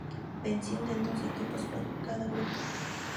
Descienden dos equipos por cada grupo.